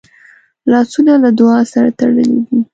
لاسونه له دعا سره تړلي دي